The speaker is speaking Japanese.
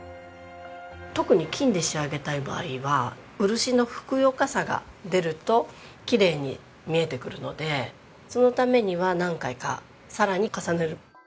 特に金で仕上げたい場合は漆のふくよかさが出るときれいに見えてくるのでそのためには何回かさらに重ねる。